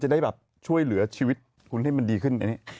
ได้แบบช่วยเหลือชีวิตคุณให้มันดีขึ้น